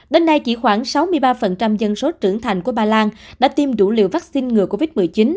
đến nay chỉ khoảng sáu mươi ba dân số trưởng thành của ba lan đã tiêm đủ liều vaccine ngừa covid một mươi chín